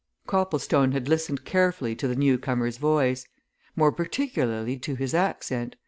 Copplestone had listened carefully to the newcomer's voice; more particularly to his accent.